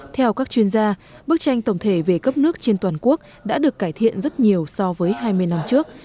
theo các chuyên gia bức tranh tổng thể về cấp nước trên toàn quốc đã được cải thiện rất nhiều so với hai mươi năm trước